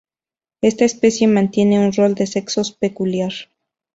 Esta especie mantiene un rol de sexos peculiar.